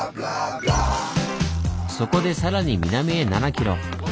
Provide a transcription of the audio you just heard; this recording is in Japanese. そこでさらに南へ７キロ。